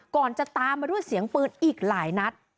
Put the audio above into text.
ก่อนจะตามมาด้วยเสียงปืนอีกหลายนัด